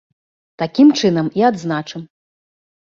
Такім чынам і адзначым!